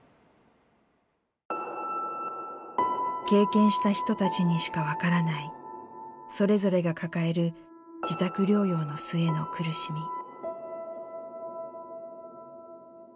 経験した人たちにしか分からないそれぞれが抱える自宅療養の末の苦しみ。